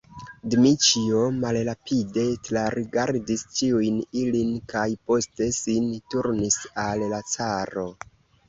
Dmiĉjo malrapide trarigardis ĉiujn ilin kaj poste sin turnis al la caro.